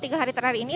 tiga hari terakhir ini